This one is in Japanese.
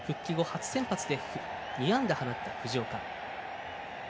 昨日、復帰後初先発で２安打放った藤岡。